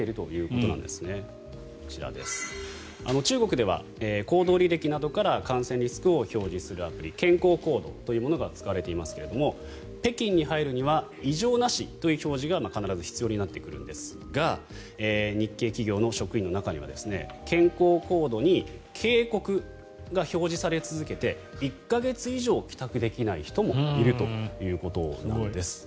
こちら、中国では行動履歴などから感染リスクを表示するアプリ健康コードというものが使われていますが北京に入るには異常なしという表示が必ず必要になってくるんですが日系企業の職員の中には健康コードの中に警告が表示され続けて１か月以上帰宅できない人もいるということなんです。